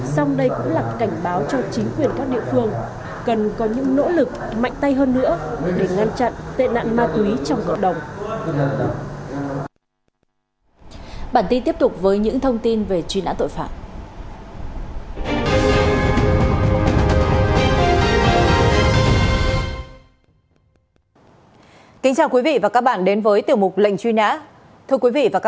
sau đây cũng là cảnh báo cho chính quyền các địa phương cần có những nỗ lực mạnh tay hơn nữa để ngăn chặn tệ nạn ma túy trong cộng đồng